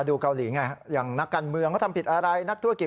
ตอนที่มาดูเมืองเยี่ยมคงไม่เห็น